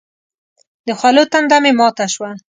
د خولو تنده مې ماته شوه.